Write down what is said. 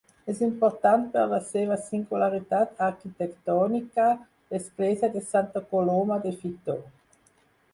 És important, per la seva singularitat arquitectònica, l'església de Santa Coloma de Fitor.